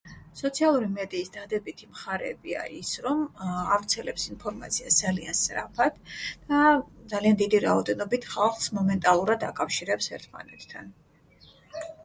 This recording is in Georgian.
სოციალური მედიის დადებითი მხარეებია ის, რომ ავრცელებს ინფორმაციას ძალიან სწრაფად, ძალიან დიდი რაოდენობით ხალხს მომენტალურად აკავშირებს ერთმანეთთან.